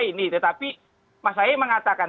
ini tetapi mas ahy mengatakan